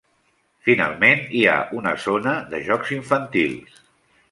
Finalment, hi ha una zona de jocs infantils.